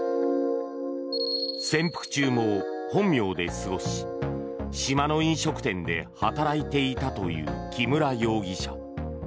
潜伏中も本名で過ごし島の飲食店で働いていたという木村容疑者。